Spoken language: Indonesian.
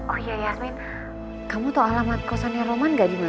oh iya yasmin kamu tau alamat kosan yang roman gak dimana